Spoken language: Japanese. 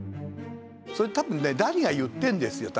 それ多分ねダリが言ってるんですよ